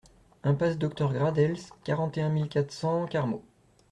Impasse Docteur Gradels, quatre-vingt-un mille quatre cents Carmaux